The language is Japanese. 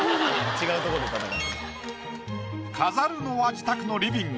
違うとこで戦ってる。